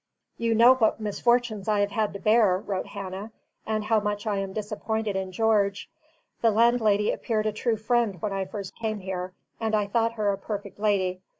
"You know what misfortunes I have had to bear," wrote Hannah, "and how much I am disappointed in George. The landlady appeared a true friend when I first came here, and I thought her a perfect lady.